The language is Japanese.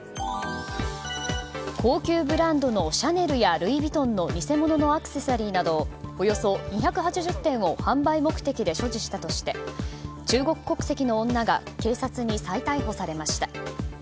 高級ブランドのシャネルやルイ・ヴィトンの偽物のアクセサリーなどおよそ２８０点を販売目的で所持したとして中国国籍の女が警察に再逮捕されました。